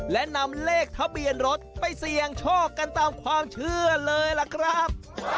และนำเลขทะเบียนรถไปเสี่ยงโชคกันตามความเชื่อเลยล่ะครับ